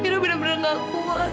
udah bener bener gak kuat